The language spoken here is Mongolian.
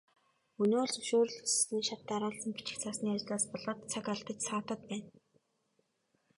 Өнөө л зөвшөөрөл хүссэн шат дараалсан бичиг цаасны ажлаас болоод цаг алдаж саатаад байна.